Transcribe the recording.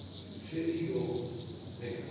"Sincerely yours, "NIKOLA."